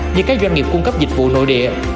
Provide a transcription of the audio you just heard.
như các doanh nghiệp cung cấp dịch vụ nội địa